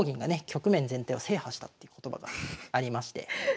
局面全体を制覇したっていう言葉がありまして。